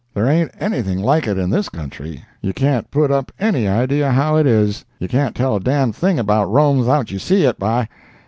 There ain't anything like it in this country—you can't put up any idea how it is; you can't tell a d—d thing about Rome 'thout you see it, by.